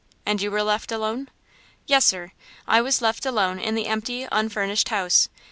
"And you were left alone?" "Yes, sir; I was left alone in the empty, unfurnished house.